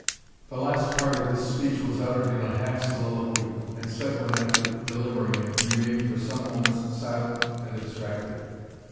The last part of this speech was uttered in a half soliloquy; and Seguin, after delivering it, remained for some moments silent and abstracted.